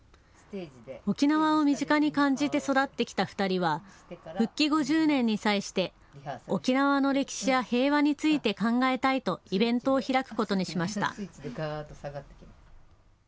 沖縄を身近に感じて育ってきた２人は復帰５０年に際して沖縄の歴史や平和について考えたいとイベントを開くことにしました。